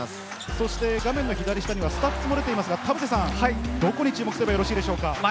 そして画面左下にはスタッツも出ていますが、どこに注目すればいいですか？